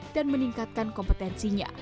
dan meningkatkan kompetensinya